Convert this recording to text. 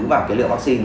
vào cái lượng vaccine